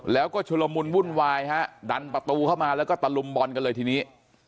แล้วก็ชุลมุนวุ่นวายฮะดันประตูเข้ามาแล้วก็ตะลุมบอลกันเลยทีนี้